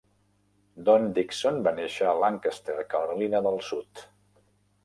Don Dixon va néixer a Lancaster, Carolina del Sud.